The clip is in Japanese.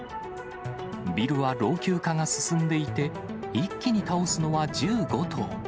ビルは老朽化が進んでいて、一気に倒すのは１５棟。